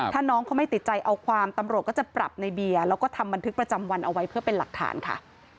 ถ้าน้องเขาไม่ติดใจเอาความตำรวจก็จะปรับในเบียร์แล้วก็ทำบันทึกประจำวันเอาไว้เพื่อเป็นหลักฐานค่ะ